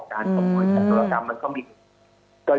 การสมมุติของธุรกรรมมันก็มี